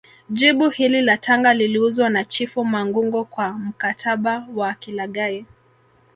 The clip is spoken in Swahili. Jiji hili la Tanga liliuzwa na chifu mangungo kwa mkataba wa kilaghai